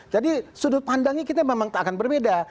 jadi sudut pandangnya kita memang tak akan berbeda